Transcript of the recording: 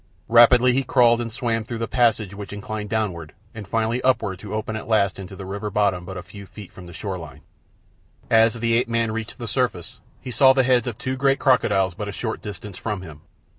Rapidly he crawled and swam through the passage which inclined downward and finally upward to open at last into the river bottom but a few feet from the shore line. As the ape man reached the surface he saw the heads of two great crocodiles but a short distance from him.